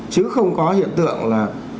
chứ không có hiện tượng là